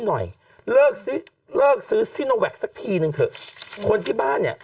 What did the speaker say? หน่อยเลิกซิเลิกซื้อซิโนแวคสักทีนึงเถอะคนที่บ้านเนี่ย